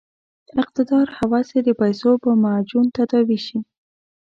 اقتدار هوس یې د پیسو په معجون تداوي شي.